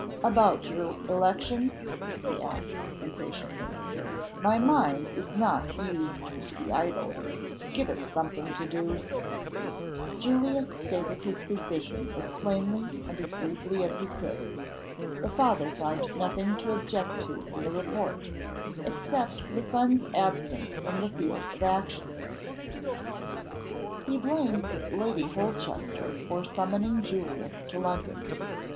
"About your election?" he asked, impatiently. "My mind is not used to be idle. Give it something to do." Julius stated his position as plainly and as briefly as he could. The father found nothing to object to in the report except the son's absence from the field of action. He blamed Lady Holchester for summoning Julius to London.